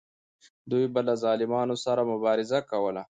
دوی به له ظالمانو سره مبارزه کوله.